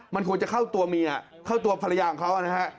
มันควรจะเข้าตัวเมียเข้าตัวภรรยาของเขานะฮะ